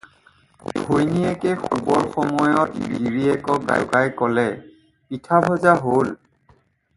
ঘৈণীয়েকে শুবৰ সময়ত গিৰীয়েকক জগাই ক'লে- "পিঠা ভজা হ'ল।"